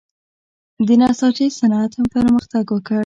د نساجۍ صنعت هم پرمختګ وکړ.